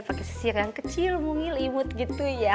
pakai sesir yang kecil mungil imut gitu ya